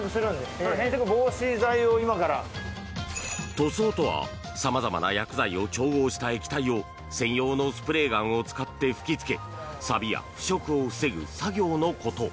塗装とはさまざまな薬剤を調合した液体を専用のスプレーガンを使って吹き付けサビや腐食を防ぐ作業のこと。